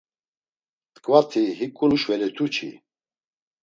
T̆ǩvati hiǩu nuşvelitu çi.